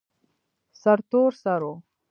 سرتور سر و.